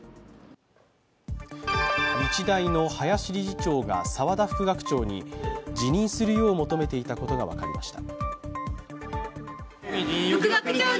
日大の林理事長が沢田副学長に辞任するよう求めていたことが分かりました。